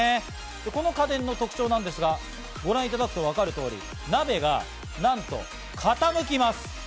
この家電の特徴なんですが、ご覧いただくとわかる通り、鍋がなんと傾きます。